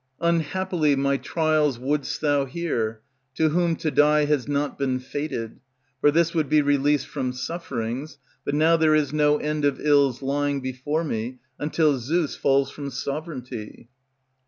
_ Unhappily my trials would'st thou hear, To whom to die has not been fated; For this would be release from sufferings; But now there is no end of ills lying Before me, until Zeus falls from sovereignty.